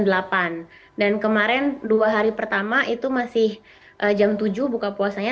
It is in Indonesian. dan kemarin dua hari pertama itu masih jam tujuh buka puasanya